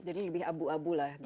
jadi lebih abu abu lah